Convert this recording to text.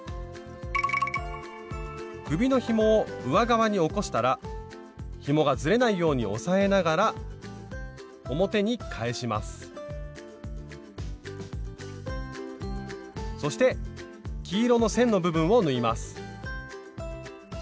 首のひもを上側に起こしたらひもがずれないように押さえながら表に返しますそして黄色の線の部分を縫います